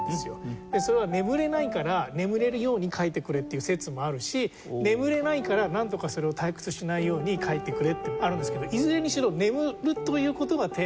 それは「眠れないから眠れるように書いてくれ」っていう説もあるし「眠れないからなんとかそれを退屈しないように書いてくれ」ってあるんですけどいずれにしろ眠るという事がテーマで。